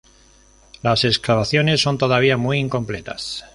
Las excavaciones son todavía muy incompletas.